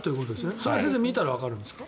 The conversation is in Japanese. それ、先生見たらわかるんですか？